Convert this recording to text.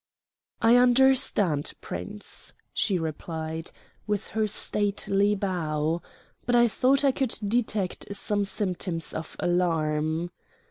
"I understand, Prince," she replied, with her stately bow; but I thought I could detect some symptoms of alarm.